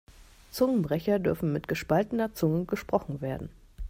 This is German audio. Zungenbrecher dürfen mit gespaltener Zunge gesprochen werden.